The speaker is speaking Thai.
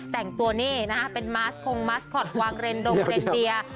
แต่งตัวนี่นะฮะเป็นมาสคงมาสคอตวางเรนดงเรนเดีย